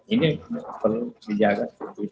ini perlu dijaga